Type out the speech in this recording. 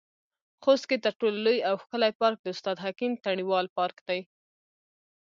خوست کې تر ټولو لوى او ښکلى پارک د استاد حکيم تڼيوال پارک دى.